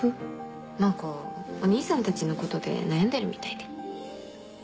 何かお兄さんたちのことで悩んでるみたいで。